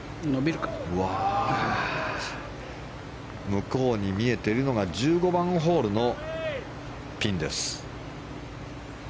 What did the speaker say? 向こうに見えているのが１５番ホールのピンです。